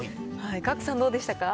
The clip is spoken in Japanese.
賀来さん、どうでしたか？